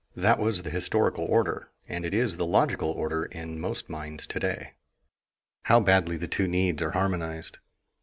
That was the historical order, and it is the logical order in most minds to day. How badly the two needs are harmonized!